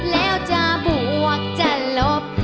แล้วจะบวกจะลบ